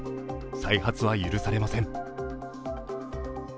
再発は許されません。